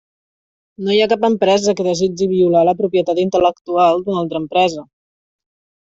No hi ha cap empresa que desitgi violar la propietat intel·lectual d'una altra empresa.